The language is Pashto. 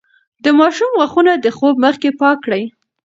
د ماشوم غاښونه د خوب مخکې پاک کړئ.